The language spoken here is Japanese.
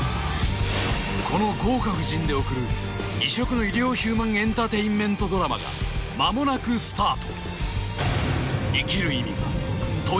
この豪華布陣で送る異色の医療ヒューマンエンターテインメントドラマがまもなくスタート